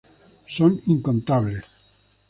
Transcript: Son incontables.